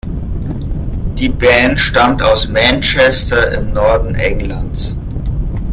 Die Band stammt aus Manchester im Norden Englands.